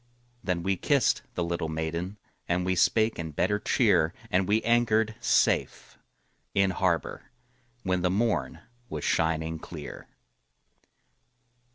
Then we kissed the little maiden, And we spake in better cheer, And we anchored safe in harbor When the morn was shining clear.